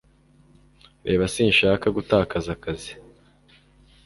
Reba sinshaka gutakaza akazi